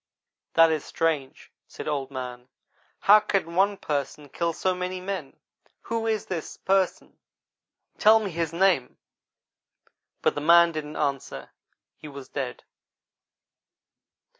"'That is strange,' said Old man; 'how can one Person kill so many men? Who is this Person, tell me his name!' but the man didn't answer he was dead.